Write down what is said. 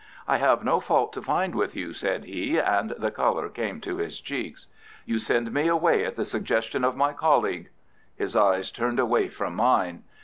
"I have no fault to find with you," said he, and the colour came to his cheeks. "You send me away at the suggestion of my colleague." His eyes turned away from mine.